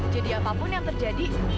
jadi apapun yang terjadi